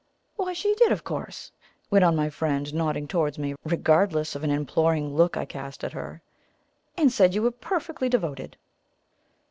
"Why, she did, of course!" went on my friend, nodding towards me, regardless of an imploring look I cast at her. "And said you were perfectly devoted!"